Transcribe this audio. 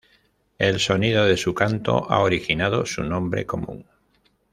El sonido de su canto ha originado su nombre común.